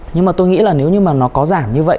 nhưng mà tôi nghĩ là nếu như mà nó có giảm như vậy